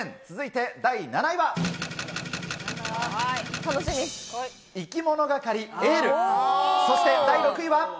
続いて第７位は？